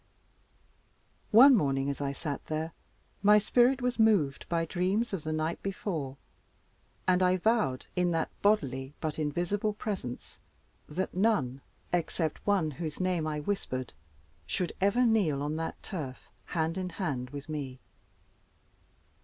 One morning as I sat there my spirit was moved by dreams of the night before, and I vowed, in that bodily but invisible presence, that none, except one whose name I whispered, should ever kneel on that turf hand in hand with me.